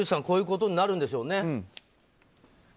こういうことになるんでしょうね。